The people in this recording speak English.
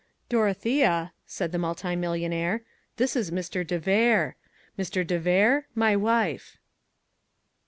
"Dorothea," said the multimillionaire, "this is Mr. de Vere. Mr. de Vere my wife."